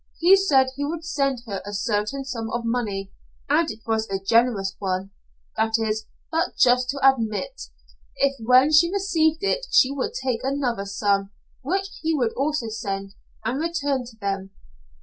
He said he would send her a certain sum of money and it was a generous one, that is but just to admit if when she received it she would take another sum, which he would also send, and return to them.